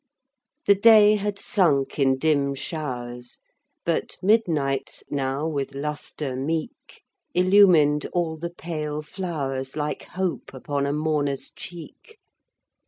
The day had sunk in dim showers, But midnight now, with lustre meek, Illumined all the pale flowers, Like hope upon a mourner's cheek.